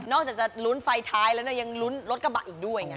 จากจะลุ้นไฟท้ายแล้วเนี่ยยังลุ้นรถกระบะอีกด้วยไง